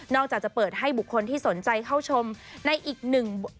จะเปิดให้บุคคลที่สนใจเข้าชมในอีกหนึ่ง